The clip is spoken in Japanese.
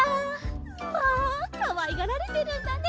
まあかわいがられてるんだね。